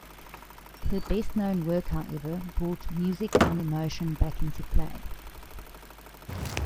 Her best known work however, brought music and emotion back into play.